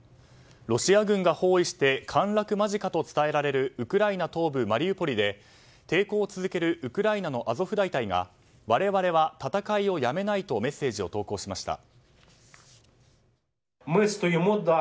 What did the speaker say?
ロシア軍が包囲して陥落間近と伝えられるウクライナ東部マリウポリで抵抗を続けるウクライナのアゾフ大隊が我々は戦いをやめないとメッセージを投稿しました。